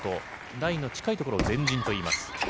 台の近いところを前陣といいます。